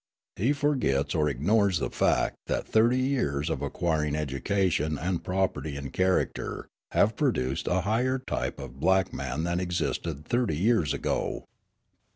He forgets or ignores the fact that thirty years of acquiring education and property and character have produced a higher type of black man than existed thirty years ago.